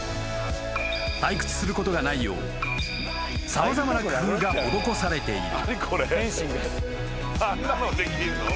［退屈することがないよう様々な工夫が施されている］